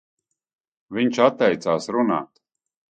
Viņš atteicās runāt.